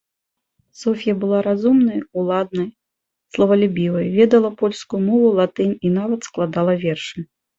Соф'я была разумнай, уладнай, славалюбівай, ведала польскую мову, латынь і нават складала вершы.